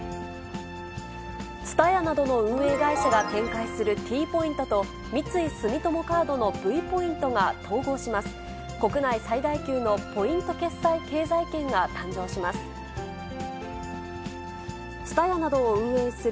ＴＳＵＴＡＹＡなどの運営会社が展開するＴポイントと、三井住友カードのＶポイントが統合します。